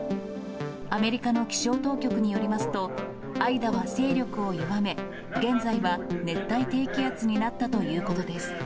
アメリカの気象当局によりますと、アイダは勢力を弱め、現在は熱帯低気圧になったということです。